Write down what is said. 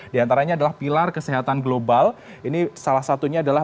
di antaranya adalah pilar kesehatan global ini salah satunya adalah